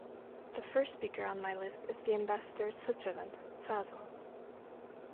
The first speaker on my list is the Ambassador of Switzerland, Fasel.